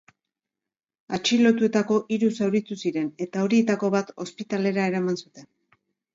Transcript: Atxilotuetako hiru zauritu ziren, eta horietako bat ospitalera eraman zuten.